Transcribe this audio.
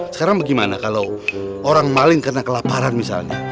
sekarang bagaimana kalau orang maling karena kelaparan misalnya